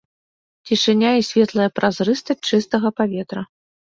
Цішыня і светлая празрыстасць чыстага паветра.